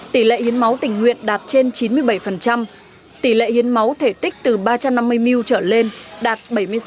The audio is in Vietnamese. tỷ lệ hiến máu tình nguyện đạt trên chín mươi bảy tỷ lệ hiến máu thể tích từ ba trăm năm mươi ml trở lên đạt bảy mươi sáu